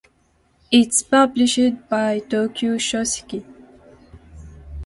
It is published by Tokyo Shoseki.